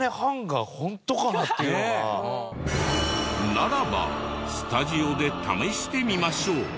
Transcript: ならばスタジオで試してみましょう。